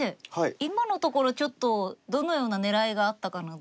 今のところちょっとどのような狙いがあったかなど。